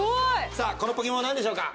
さぁこのポケモンはなんでしょうか？